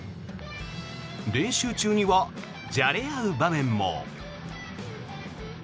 練習中には、じゃれ合う場面も。